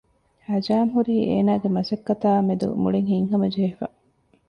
ހަޖާމް ހުރީ އޭނާގެ މަސައްކަތާ މެދު މުޅިން ހިތްހަމަ ޖެހިފަ